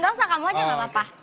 gak usah kamu aja gak apa apa